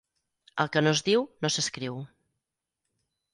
El que no es diu, no s'escriu.